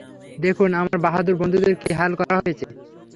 দেখুন আমার বাহাদুর বন্ধুদের কী হাল করা হয়েছে।